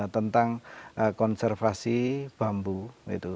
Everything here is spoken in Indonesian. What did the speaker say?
tentang konservasi bambu itu